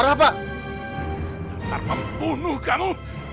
rasar pembunuh kamu